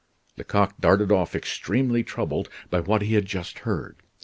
Lecoq darted off extremely troubled by what he had just heard.